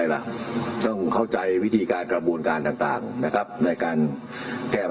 มีศาสตราจารย์พิเศษวิชามหาคุณเป็นประเทศด้านกรวมความวิทยาลัยธรม